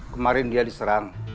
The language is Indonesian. kemarin dia diserang